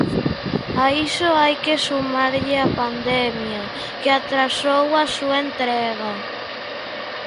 A iso hai que sumarlle a pandemia, que atrasou a súa entrega.